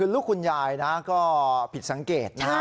ลูกคุณยายก็ผิดสังเกต